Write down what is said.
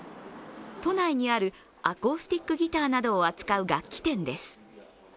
都内にあるアコースティックギターなどを扱う楽器店です。